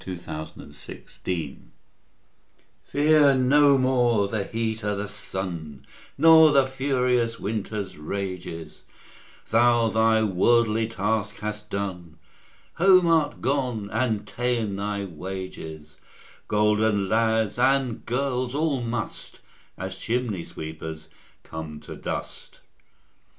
William Shakespeare Fear No More Fear no more the heat o' the sun; Nor the furious winter's rages, Thou thy worldly task hast done, Home art gone, and ta'en thy wages; Golden lads and girls all must, As chimney sweepers come to dust.